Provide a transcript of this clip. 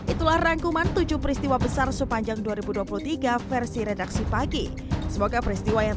itulah rangkuman tujuh peristiwa besar sepanjang dua ribu dua puluh tiga versi redaksi pagi semoga peristiwa yang